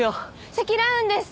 積乱雲です！